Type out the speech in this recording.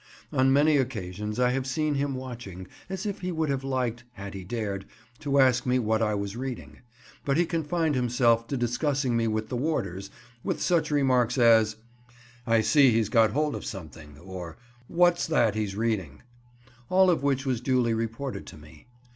On many occasions I have seen him watching, as if he would have liked—had he dared—to ask me what I was reading; but he confined himself to discussing me with the warders, with such remarks as, "I see he's got hold of something," or "What's that he's reading?" all of which was duly reported to me.